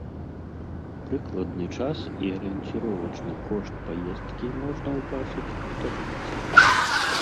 Прыкладны час і арыенціровачны кошт паездкі можна ўбачыць у табліцы.